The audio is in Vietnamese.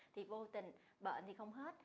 thì vô tình bệnh thì không hết